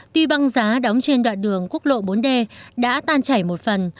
tuy băng giá đóng trên đoạn đường quốc lộ bốn d đã tan chảy một phần